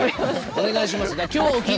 お願いします。